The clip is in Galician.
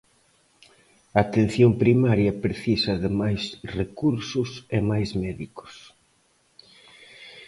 A Atención Primaria precisa de máis recursos e máis médicos.